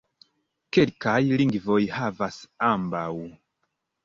Kelkaj lingvoj havas ambaŭ.